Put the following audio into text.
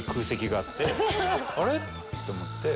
あれ？って思って。